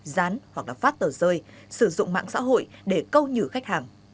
dán hoặc là phát tờ rơi sử dụng mạng xã hội để câu nhử khách hàng